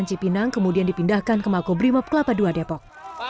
ketanji pinang kemudian dipindahkan ke makobrimob kelapa dua depok